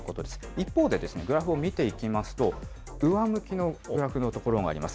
一方で、グラフを見ていきますと、上向きのグラフの所があります。